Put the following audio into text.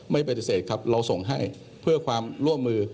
ไม่ปฏิเสธครับเราส่งให้เพื่อความร่วมมือ